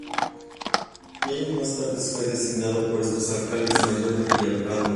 Y años más tarde fue designado por estos alcalde mayor de Villalpando.